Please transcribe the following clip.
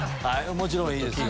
もちろんいいですよ。